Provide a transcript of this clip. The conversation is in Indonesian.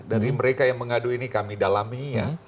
dari mereka yang mengadu ini kami dalami ya